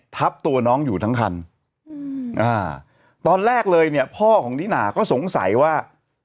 ทับตัวน้องอยู่ทั้งคันตอนแรกเลยเนี่ยพ่อของนิน่าก็สงสัยว่า